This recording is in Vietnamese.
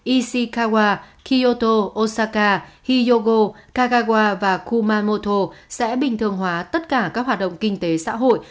ishikawa kioto osaka hyogo kagawa và kumamoto sẽ bình thường hóa tất cả các hoạt động kinh tế xã hội